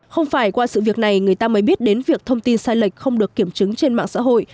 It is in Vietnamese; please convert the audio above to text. không phải qua sự việc này người ta mới biết đến việc thông tin sai lệch không được kiểm chứng trên mạng xã hội